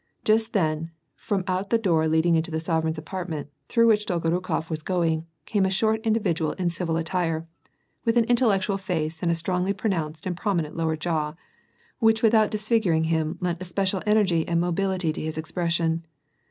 Jast then, from out the door lesuling into the sorereign's apart ments, through which Dolgorukof was going, came a short in dividual in civil attire, with an intellectual face and a strongly pronounced and prominent lower jaw, which without disfig uring him lent especial energy and mobility to his expression.